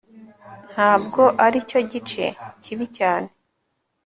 ntabwo aricyo gice kibi cyane